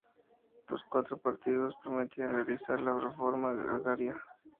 Los cuatro partidos prometían realizar la reforma agraria.